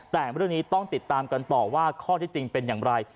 แต่เรื่องนี้ต้องติดตามกันต่อว่าข้อที่จริงเป็นอย่างไร